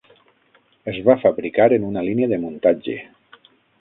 Es va fabricar en una línia de muntatge.